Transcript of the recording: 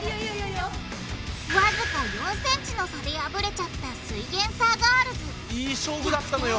わずか４ｃｍの差で敗れちゃったすイエんサーガールズいい勝負だったのよ。